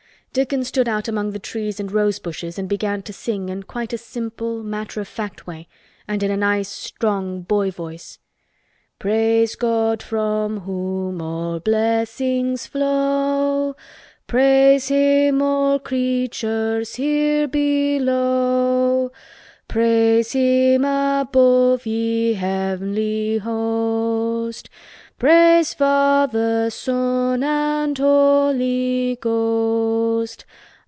Dickon stood out among the trees and rose bushes and began to sing in quite a simple matter of fact way and in a nice strong boy voice: "Praise God from whom all blessings flow, Praise Him all creatures here below, Praise Him above ye Heavenly Host, Praise Father, Son, and Holy Ghost.